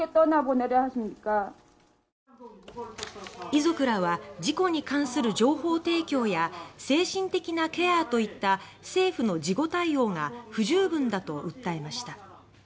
遺族らは事故に関する情報提供や精神的なケアといった政府の事後対応が不十分だと訴えました。